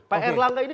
pak erlangga ini